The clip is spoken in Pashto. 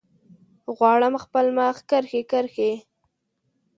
غواړم خپل مخ کرښې، کرښې